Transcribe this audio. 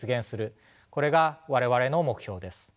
これが我々の目標です。